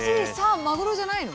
マグロじゃないの？